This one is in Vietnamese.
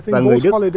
và người đức